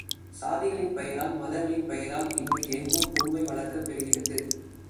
சாதிகளின் பெயரால், மதங்களின் பெயரால் இன்று எங்கும் புன்மை வளர்க்கப் பெறுகிறது.